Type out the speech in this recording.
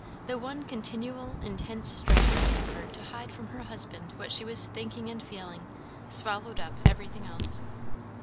The one continual, intense strain of effort to hide from her husband what she was thinking and feeling swallowed up everything else.